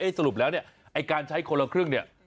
สรุปแล้วเนี่ยไอ้การใช้คนละครึ่งเนี่ย